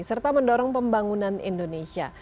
serta mendorong pembangunan indonesia